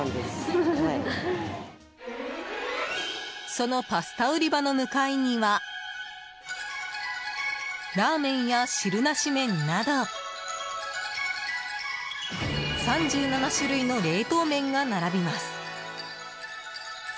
そのパスタ売り場の向かいにはラーメンや汁なし麺など３７種類の冷凍麺が並びます。